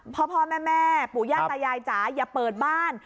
พ่อแม่ปู่ย่าตายายจ๋าอย่าเปิดบ้าน